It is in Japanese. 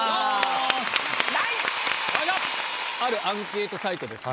あるアンケートサイトでですね。